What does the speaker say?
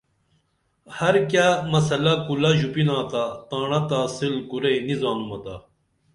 ہر کیہ مسلہ کُلہ ژوپِنا تا تاڻہ تحصیل کُرئی نی زانُمتا